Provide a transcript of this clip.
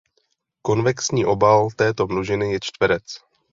Konvexní obal této množiny je čtverec.